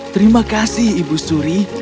terima kasih ibu suri